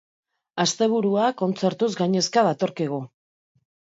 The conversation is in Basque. Asteburua kontzertuz gainezka datorkigu.